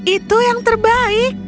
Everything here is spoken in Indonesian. itu yang terbaik